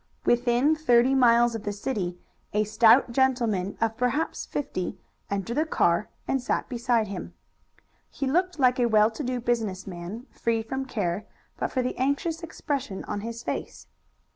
Within thirty miles of the city a stout gentleman of perhaps fifty entered the car and sat beside him. He looked like a well to do business man, free from care, but for the anxious expression on his face.